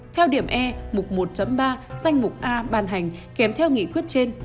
theo điểm e mục một ba danh mục a bàn hành kém theo nghị quyết trên